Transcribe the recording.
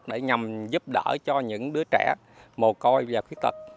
để nhằm giúp đỡ cho những đứa trẻ mồ côi và khuyết tật